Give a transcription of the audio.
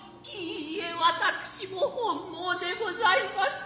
否私も本望でございます。